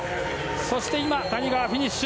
そして谷川がフィニッシュ。